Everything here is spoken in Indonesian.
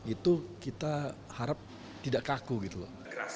itu kita harap tidak kaku gitu loh